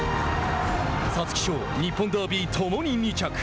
皐月賞、日本ダービーともに２着。